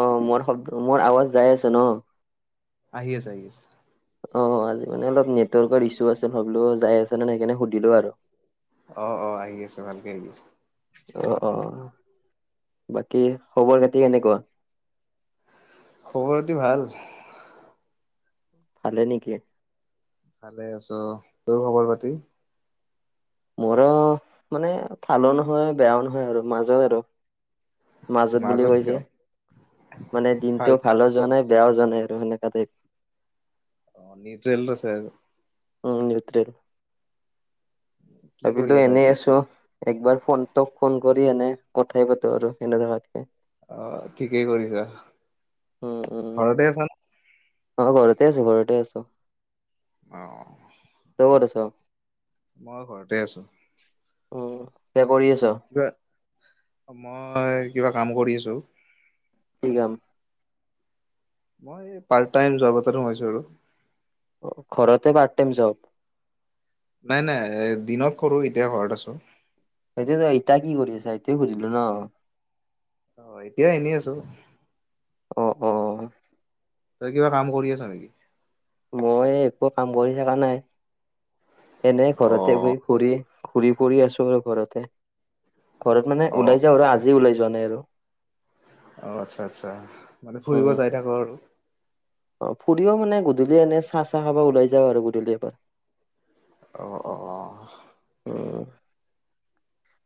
অহ মোৰ শব্দ মোৰ আৱাজ যাই আছে ন আহি আছে আহি আছে অ আজি মানে অলপ নেটৰ্ ইছু আ সব যাই আছে ন সেইকাৰণে সুধিলো আৰু অ অ আহি আছে ভালকে আহি আছে অ অ বাকী খবৰ খাতি কেনেকোৱা খবৰ খাতি ভাল ভালে নেকি ভালে আছো তোৰ খবৰ পাতি মোৰো মানে ভালো নহয় বেয়াও নহয় আৰু মাজৰে আৰু মাজত বুলি কৈছে মানে ভাল দিনটো ভালো যোৱা নাই বেয়াও নাই আৰু সেনেকা তাই অ নি ট্ৰেইেলৰে আৰু ৰ উম নিউত্ৰেল কি কৰি ভাবিলো আছা এনেই এতিয়া আছো একবাৰ ফোনটক ফোন কৰি এনে কথাই পাতো আৰু সনে ধাকে অ ঠিকেই কৰিছা উম উম ঘৰতে আছা অ ঘৰতে আছো ঘৰতে আছো অ তই কত আছ মই ঘৰতে আছো উম কৰি আছে কিবা মই কিবা কাম কৰি আছো কি কাম পাৰ্ট টাইম যব এটাত সোমাইছোঁ আৰু ঘৰতে পাৰ্ট টাইম জব নাই নাই এ দিনত কৰো এতিয়া ঘৰত আছো সেইটো ইতা কি কৰি আছা এটোয়ে সুধিলো ন অ এতিয়া এনেই আছো অঁ অঁ তই কিবা কাম কৰি আছ নেকি মই একো কাম কৰি থকা নাই এনে অ ঘৰতে বৈ ঘূৰি ঘূৰি পৰি আছো আৰু ঘৰতে ঘৰত মানে অ ওলাই যাওঁ আৰু আজি ওলাই যোৱা নাই আৰু অহ আচ্ছা আচ্ছা মানে ফুৰিব যাই থাকো আৰু অহ ফুৰিব মানে গধূলি এনে চাহ চাহ খাব ওলাই যাওঁ আৰু গধূলি এবাৰ অহ অহ অহ উম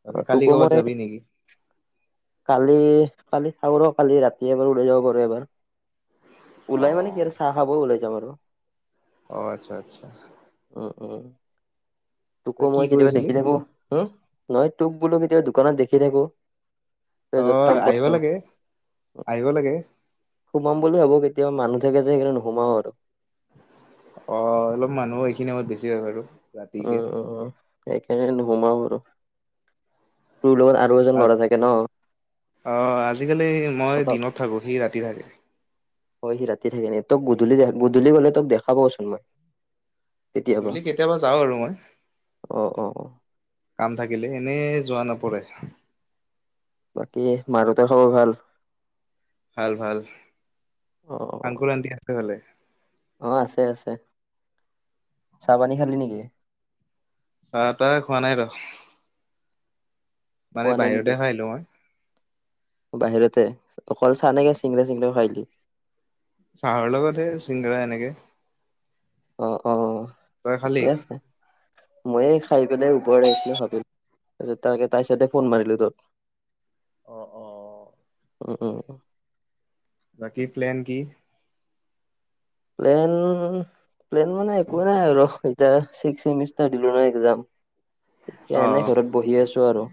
বাকী অহ কালি তোকো কৰ'বাত মই যাবি নেকি? কালি কালি চাওঁ ৰ কালি ৰাতি এবাৰ ওলাই যাব পাৰো এবাৰ অ ওলাই মানে কি আৰু চাহ খাব ওলাই যাম আৰু অহ আচ্ছা আচ্ছা উম উম তোকো তই কি মই কেতিয়াবা কৰিছিলি? দেখি থাকো হো নহয় তোক বোলো কেতিয়াবা দোকানত দেখি থাকো অ তেজত কাম কৰ আহিব লাগে [unintelligible] আহিব লাগে সোমাম বুলি হব কেতিয়া কেতিয়াবা মানুহ থাকে সেইকাৰে নোসোমাও আৰু অহ অলপ মানুহ এইখিনি সময়ত বেছি হয় আৰু উম সেইকাৰণে নোসোমাওঁ আৰু তোৰ লগত আৰু এজন ল'ৰা থাকে ন। অহ আজিকালি মই অলপ দিনত থাকো সি ৰাতি থাকে হয় সি ৰাতি থাকে ন তোক গধূলি গধূলি গলে তোক দেখাবচোন মই গধূলি কেতিয়াবা যাওঁ আৰু মই অ অ অ কাম থাকিলে এনে যোৱা নপৰে বাকী মা দেউতাৰ খবৰ ভাল? ভাল ভাল আংকল আন্টি আছে ভালে? অহ আছে আছে চাহপানী খালি নেকি চাহ তাহ খোৱা নাই ৰ। মানে খোৱা নাই নেকি বাহিৰতে খাই আহিলোঁ মই। বাহিৰতে অকল চাহ নে চিঙৰা তিংৰাও খাই আহিলি? চাহৰ লগতহে চিংৰা এনেকে অহ অহ তই খালি? ঠিকে আছে মই এই খাই পেলাই ওপৰত আহিছিলো ভাবিলো তাৰকেইতা তাই চাইডে ফোন মাৰিলো তোক অহ অহ অহ উম উম বাকী প্লেন কি? প্লেন প্লেন মানে একোৱেই নাই আৰু এতিয়া ছিক্স চেমিষ্টাৰ দিলো নহ এক্সজাম। এতিয়া অ এনে ঘৰত বহি আছো আৰু।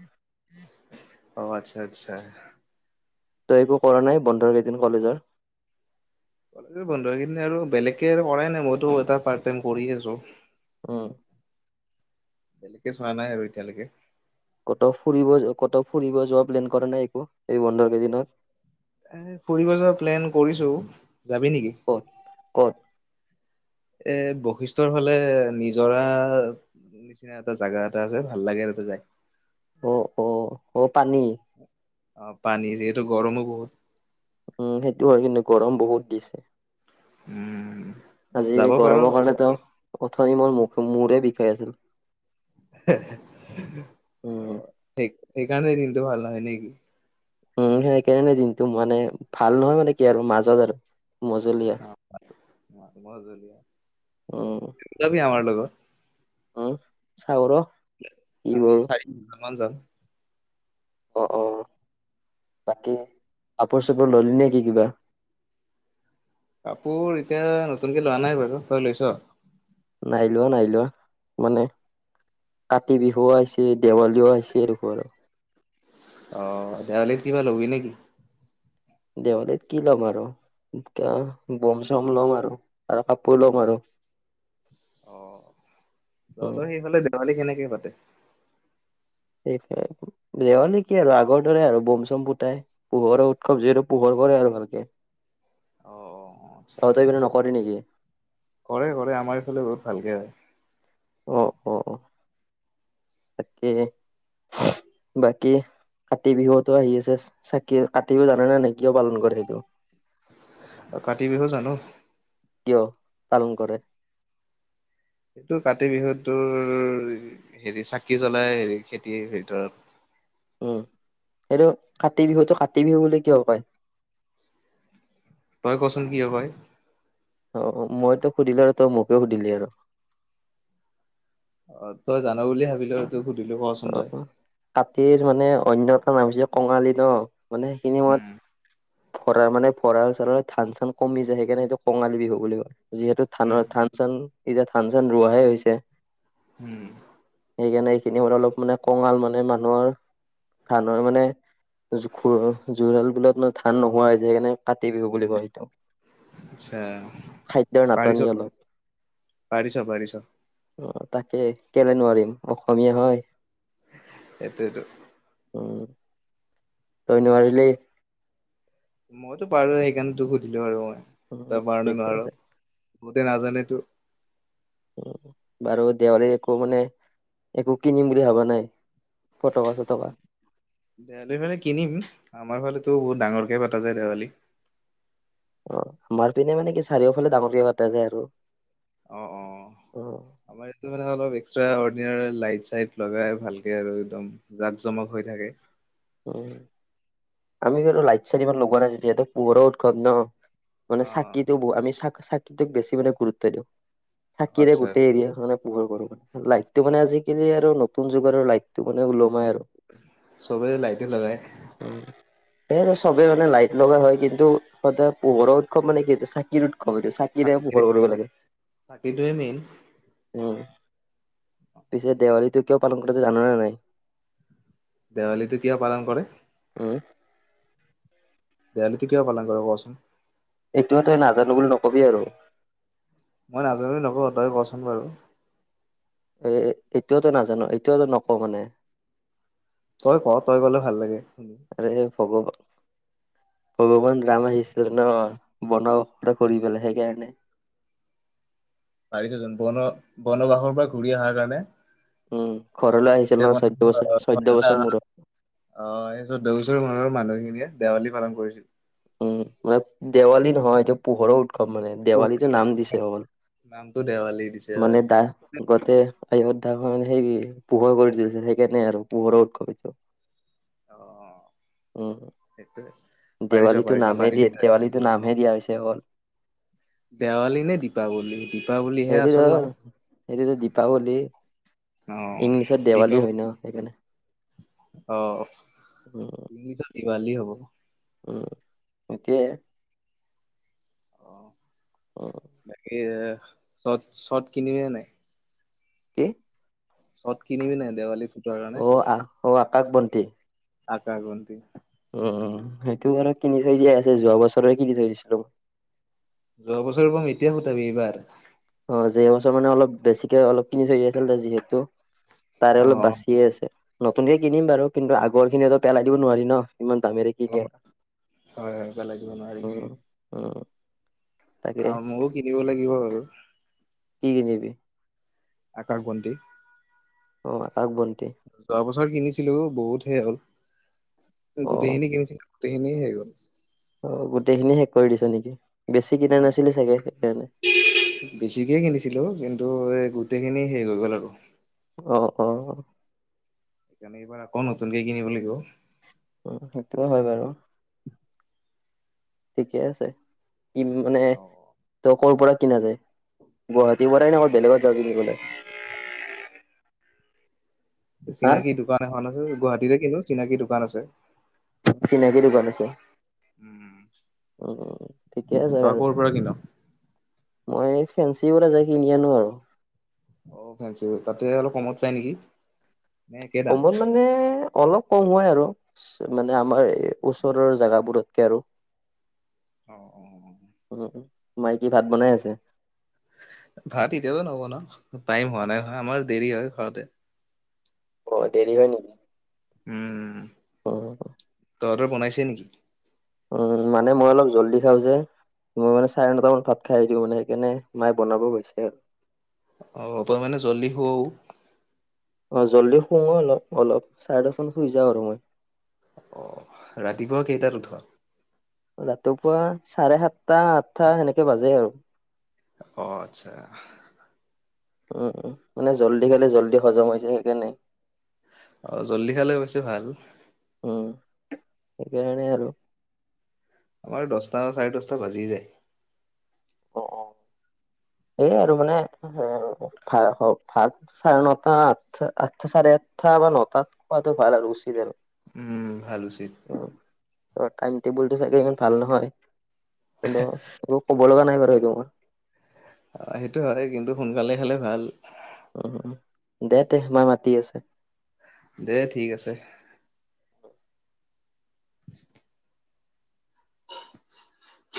অ আচ্ছা আচ্ছা তই একো কৰা নাই বন্ধৰ কেইদিন কলেজৰ। তাকৈ বন্ধ কেইদিন আৰু বেলেগে আৰু কৰাই নাই মইতো এটা পাৰ্ত টাইম কৰি আছো উম তেনেকে চোৱা নাই আৰু এতিয়ালৈকে ক'তও ফুৰিব ক'তও ফুৰিব যোৱা প্লেন কৰা নাই একো এই বন্ধৰ কেইদিনত। এ ফুৰিব যোৱা প্লেন কৰিছো যাবি নেকি? ক'ত ক'ত এ বৈশিষ্টৰ ফালে নিজৰা। নিচিনা এটা জাগা এটা আছে ভাল লাগে তাতে যায় অহ অহ অহ পানী অহ পানী যিহেতু গৰমো বহুত। উম সেইটো হয় কিন্তু গৰম বহুত দিছে। উম। আজি যাব পাৰ গৰমৰ ইচ্ছা কাৰণেতো কৰিলে অথনিতঝ মোৰ মুখ মূৰে বিষাই‌ আছিল। উম এইকাৰণে দিনটো ভাল নহয় নেকি উম সেইকাৰণে দিনটো মানে ভাল নহয় মানে কি আৰু মাজত আৰু মজলীয়া উম যাবি আমাৰ লগত। উম, চাওঁ ৰ'। কি আমি কৰো চাৰিটামান যাম। অ', অ', বাকী, কাপোৰ চাপোৰ ললি নেকি কিবা? কাপোৰ এতিয়া নতুনকে লোৱা নাই বাৰু, তই লৈছ? নাই লোৱা, নাই লোৱা মানে কাতি বিহুও আহিছে, দেৱালীও আহিছে দেখোন। অ', দেৱালীত কিবা ল'বি নেকি? দেৱালীত কি ল'ম আৰু? তেতিয়া বম চম ল'ম আৰু, আৰু কাপোৰ ল'ম আৰু। অ', উম তহতৰ সেইফালে দেৱালী কেনেকে পাতে? সেই দেৱালি কি আৰু আগৰ দৰে আৰু বম, চম ফুতাই পোহৰৰ উৎসৱ যিহেতু পোহৰ হব দে আৰু ভালকে, অ', অ', অ', আচ্ছা। তহঁতৰ পিনে নকৰে নেকি? কৰে কৰে আমাৰ এইফালে বহুত ভালকে হয়। অ', অ', তাকেই বাকী কাতি বিহুতো আহি আছে, চাকি কাতি বিহু জানা নে নাই কিয় পালন কৰে সেইটো? কাতি বিহু জানো। কিয়, পালন কৰে? এইটো কাতি বিহুটোৰ, হেৰি চাকি জ্বলাই হেৰি খেতিৰ ভিতৰত। উম, সেইটো কাতি বিহুতটো কাতি বিহু বুলি কিয় কয়? তই ক'চোন কিয় হয়? অ', মই তোক সুধিলো আৰু তই মোকে সুধিলি আৰু। অ', তই জানো বুলি ভাবিলো ত অ', কাতিৰ মানে অন্য এটা নাম হৈছে কঙালী ন? মানে সেইখিনি উম, সময়ত ভৰা মানে ভঁৰাল চলাৰ ধান চান কমি যায় সেইকাৰণে এইটোক কঙালী বিহু বুলি কয়। যিহেতু উম, ধানৰ ধান চান এতিয়া ধান চান ৰোৱাহে হৈছে। হুম। সেইকাৰণে এইখিনি সময়ত অলপ মানে কঙাল মানে মানুহৰ ধানৰ মানে জোখুৰ জোৰালবিলাত ধান নোহোৱা হয় যায় সেইকাৰণে কাতি বিহু বুলি কয় এইটো। পিছে খাদ্যৰ নাটনি [unintelligible] অলপ পাৰিছ পাৰিছ। অ', তাকে কেলে নোৱাৰিম, অসমীয়া হয়। সেইটোৱেটো। উম। তই এনে [unintelligible] মইতো পাৰোৱে সেইকাৰণে তোক সুধিলো আৰু মই, উম, তই পাৰো নে ঠিকে নোৱাৰো আছে। গোটে নাজা টো। উম, বাৰু দেৱালীত একো মানে, একো কিনিম বুলি ভবা নাই। ফটকা চটকা। দেৱালীৰ ফালে কিনিম, আমাৰ ফালেতো বহুত ডাঙৰকে পাতা যায় দেৱালী। অ', মাৰ পিনে মানে কি চাৰিওফালে ডাঙৰকে পাতা যায় আৰু, অ অ অ', আমাৰ ইটো ফালে অলপ এক্সট্ৰা অৰ্ডিনেৰী লাইট চাইট লগাই ভালকে আৰু একদম, জাক জমক হৈ থাক [unintelligible] উম, আমি বাৰু লাইট চাইট ইমান লগোৱা নাই যিহেতু পোহৰৰ উৎসৱ ন। মানে অ চাকিটো ব আমি চাক-চাকিটোক বেছি মানে গুৰুত্ব দিওঁ। থাকিলে আচ্ছা গোটেই আচ্ছা এৰিয়াখনে পোহৰ কৰে লাইটটো মানে আজিকালি আৰু নতুন যুগৰ লাইট [unintelligible] চবে লাইটে লগাই। [unintelligible] চবে মানে লাইট লগা হয় কিন্তু, তাতে পোহৰৰ উৎসৱ মানে কি যে চাকিৰ [unintelligible] চাকিৰে পোহৰ কৰিব লাগে, চাকিটোৱে মেইন উম। পিছে দেৱালীটো কিয় পালন কৰে এইটো জানানে নাই? দেৱালীটো কিয় পালন কৰে? উম দেৱালীটো কিয় পালন কৰে কোৱাচোন? এইটো তই নাজানো বুলি নকবি আৰু। মই নাজানো নকওঁ তই কচোন বাৰু। এ এইটোৱো তই নাজান এইটোৱো তই নকৱ মানে। তই ক। তই কলে ভাল লাগে। খব ভগৱান ৰাম আহিছিল ন বনাও সটা কৰি পেলাই সেইকাৰণে। [inaudible] পাৰিছ বন বনবাসৰ পৰা ঘূৰি অহাৰ কাৰণে। উম ঘৰলৈ আহিছিল যেতিয়া নহয় চৈধ্য বছৰ, চৈধ্য বনলৈ বছৰ মূৰত। তাৰপিছত ওৰ মৰৰ মানুহখিনিয়ে দেৱালী পালন কৰিছিল। উম মানে দেৱালী নহয়, এইটো পোহৰৰ উৎসৱ মানে। দেৱালীটো নাম দিছে অকল। নামটো দেৱালী দিছে মানে হয় দা গোটেই অয়োধ্যা হয় সে কি পোহৰ কৰি তুলিছে। সেইকাৰনে আৰু পোহৰৰ উৎসৱ এইটো। অ উম সেইটোৱে। পাৰিছ দেৱালীটো পাৰিছ নামহে পাৰি দিয়ে, দেৱালীটো নামহে দিয়া হৈছে অকল। দেৱালী নে দীপাৱলী? দীপাৱলীহে সেইটোতো আচল নাম। সেইটোতো দীপাৱলী, অ ইংলিছত দেৱালী হয় দীপাৱলী ন সেইকাৰণে। অ, ইংলিছত দিৱালী হ'ব। উ একে। অ বাকী চট, চট কিনলি নে নাই? কি? চত কিনিবি নাই দেৱালী ফুটোৱাৰ কাৰণে? কাক বনটি। আকাশ বন্তি। উম সেইটো আৰু কিনি থৈ দিয়াই আছে। যোৱা বছৰে কিনি থৈ দিছলো। যোৱা বছৰৰ বম এতিয়া ফুটাবি এইবাৰ। অ যে এইবছৰ মানে অলপ বেছিকে অলপ কিনি থৈ আছিল যিহেতু। তাৰে অ অলপ বাচিয়ে আছে। নতুনকে কিনিম বাৰু। কিন্তু আগৰ খিনি পেলাই দিব নোৱাৰি ন। ইমান দামেৰে কিনি আ হয়, হয়। পেলাই দিব নোৱাৰি। অঁ। অ, মইও কিনিব লাগিব আৰু। কি কিনিবি? আকাশবন্তি। অ আকাশ বন যোৱা বছৰ কিনিছিলো, বহুত হে হ'ল। অ গোটেইখিনি কিনচিলো, গোটেইখিনিয়ে শেষ হ'ল। অ, গোটেইখিনি শেষ কৰি দিছ নেকি? বেছি কিনা নাছিলি চাগে সেইকাৰণে বেছিকে কিনিছিলো, কিন্তু গোটেইখিনি হেষ হৈ গ'ল আৰু। অ, অ। সেইকাৰণে এইবাৰ আকৌ নতুনকে কিনিব লাগিব। অ, সেইটোও হয় বাৰু। ঠিকে আছে। কি মানে অ' তই ক পৰা কিনা যায়? গুৱাহাটীৰ পৰাই নে আৰু বেলেগত যা কিনিবলে? চিনাকি দোকান এখন আছে, গুৱাহাটীতে কিনো। চিনাকি দোকান আছে। চিনাকি দোকান আছে। উম, উ ঠিকে আছে তই বাৰু। ক'ৰ পৰা কিন? মই ফেঞ্চি যায় কিনি আনো আৰু। [unintelligible] অ খে তাতে অলপ কমত পায় নেকি? নে একে দাম? কমল মানে। অলপ কম হয় আৰু, মানে আমাৰ এই ওচৰৰ জেগাবোৰতকে আৰু। অ অ অ। তোমাই কি ভাত বনাই আছে। ভাত এতিয়াতো নব ন টাইম হোৱা নাই নহয় আমাৰ দেৰি হয় খাওঁতে। অ দেৰি হয় নেকি? উম। অ। তহতৰ বনাইছে নেকি? উম মানে মই অলপ জল্দি খাওঁ যে। মই মানে চাৰে নটামান ভাত খাই আহছো মানে সেইকাৰণে মায়ে বনাব গৈছে আৰু। অ অপ মানে জল্লি শুৱও। অ জল্দি শুওঁ অলপ অলপ চাৰে দহ মান শুই যাওঁ আৰু মই অ ৰাতিপুৱা কেইটাত উঠোৱা ৰাতিপুৱা চাৰে সাতটা আঠটা সেনেকে বাজে আৰু অ আচ্ছা উম উম মানে জল্দি খালে জল্দি হজম হয় যে সেইকাৰণে অ জল্দি খালে বেছি ভাল উম, সেইকাৰণে আৰু আমাৰ দচটা চাৰে দচটা বাজিয়ে যায় অহ অহ এই আৰু মানে ভ ভাত চাৰে নটা আঠ আঠ চাৰে আঠটা বা নতাত খোৱাটো ভাল আৰু উচিত আৰু উম ভাল উচিত উম, টাইম টেবুলটো চাগে ইমান ভাল নহয় কিন্তু একো ক'ব লগা নাই বাৰু সেইটো মই অ সেইটো হয় কিন্তু সোনকালে খালে ভাল উ দে দেহ মাই মাতি আছে দে ঠিক আছে [unintelligible] [inaudible] [unintelligible] [inaudible]